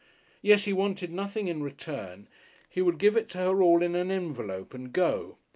Yes, he wanted nothing in return. He would give it to her all in an envelope and go.